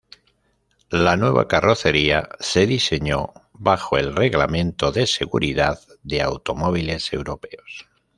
La nueva carrocería se diseñó bajo el reglamento de seguridad de automóviles europeos.